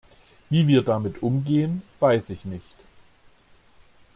Wie wir damit umgehen, weiß ich nicht.